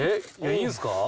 いいんですか？